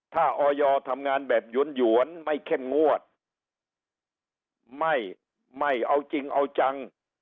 ถ้าออยทำงานแบบหยวนหยวนไม่เข้มงวดไม่ไม่เอาจริงเอาจัง